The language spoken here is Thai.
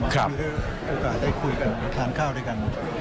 ไม่เหลือโอกาสได้คุยกันได้ขันข้าวด้วยกัน